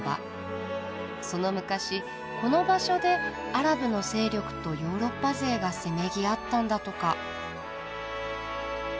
その昔この場所でアラブの勢力とヨーロッパ勢がせめぎ合ったんだとか。